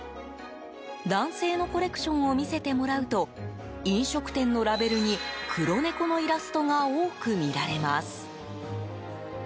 男性のコレクションを見せてもらうと飲食店のラベルに黒猫のイラストが多く見られます。